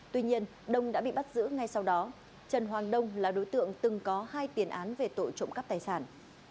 tuy nhiên đông đã bị bắt giữ ngay sau đó trần hoàng đông là đối tượng từng có hai tiền án về tội trộm cắp tài sản